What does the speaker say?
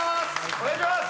お願いします！